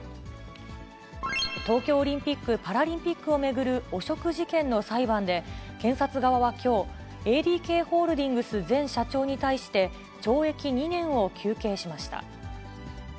東京オリンピック・パラリンピックを巡る汚職事件の裁判で、検察側はきょう、ＡＤＫホールディングス前社長に対して、懲役２年を求刑しました。